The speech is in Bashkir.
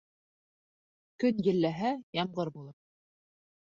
Көн елләһә, ямғыр булыр.